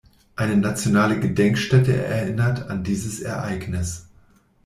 Eine nationale Gedenkstätte erinnert an dieses Ereignis.